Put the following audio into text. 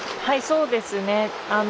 はいそうですね。